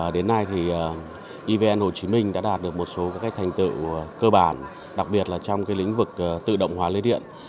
đến nay thì evn hồ chí minh đã đạt được một số cách thành tựu cơ bản đặc biệt là trong lĩnh vực tự động hóa lưới điện